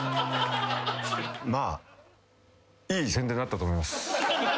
まあいい宣伝になったと思います。